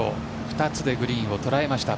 ２つでグリーンを捉えました。